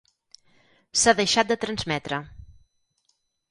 S"ha deixat de transmetre.